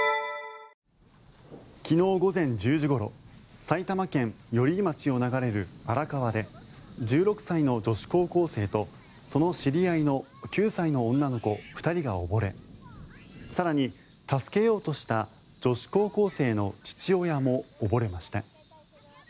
昨日午前１０時ごろ埼玉県寄居町を流れる荒川で１６歳の女子高校生とその知り合いの９歳の女の子２人が溺れ更に助けようとした女子高校生の父親も溺れました。